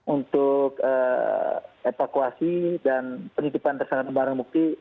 untuk evakuasi dan penitipan tersangkatan barang mukti